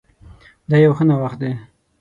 دا يو ښه نوښت ده